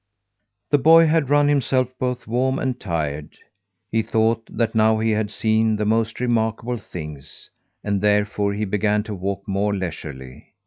The boy had run himself both warm and tired. He thought that now he had seen the most remarkable things, and therefore he began to walk more leisurely.